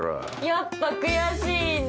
やっぱ悔しいんだ！